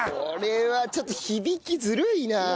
これはちょっと響きずるいな。